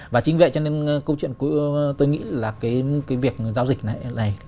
và chính vậy cho nên câu chuyện tôi nghĩ là cái việc giao dịch này